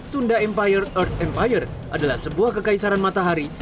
sunda empire earth empire adalah sebuah kekaisaran matahari